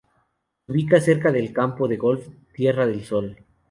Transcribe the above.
Se ubica cerca del campo de golf Tierra del Sol.